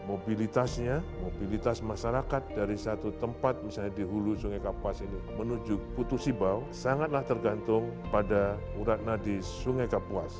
mobilitasnya mobilitas masyarakat dari satu tempat misalnya di hulu sungai kapuas ini menuju putus ibau sangatlah tergantung pada urat nadi sungai kapuas